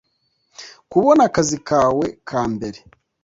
Kubona akazi kawe ka mbere